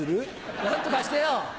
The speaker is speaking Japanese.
何とかしてよ！